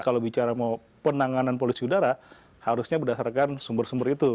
kalau bicara mau penanganan polusi udara harusnya berdasarkan sumber sumber itu